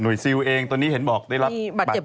ซิลเองตอนนี้เห็นบอกได้รับบาดเจ็บ